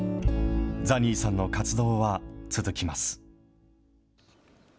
ザニーさんの活動は続きます。